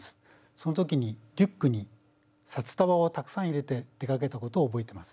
そのときにリュックに札束をたくさん入れて出かけたことを覚えてます。